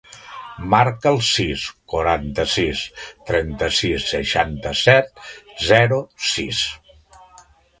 Marca el sis, quaranta-sis, trenta-sis, seixanta-set, zero, sis.